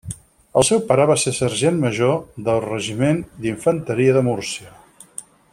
El seu pare va ser Sergent Major del Regiment d'Infanteria de Múrcia.